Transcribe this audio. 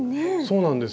そうなんです。